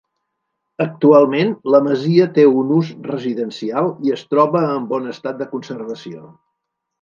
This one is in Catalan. Actualment la masia té un ús residencial i es troba en bon estat de conservació.